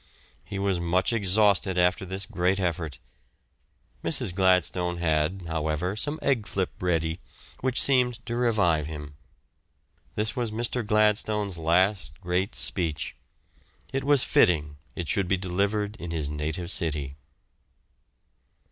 He was much exhausted after this great effort; Mrs. Gladstone had, however, some egg flip ready, which seemed to revive him. This was Mr. Gladstone's last great speech; it was fitting it should be delivered in his native city.